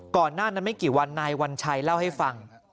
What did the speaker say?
หน้านั้นไม่กี่วันนายวัญชัยเล่าให้ฟัง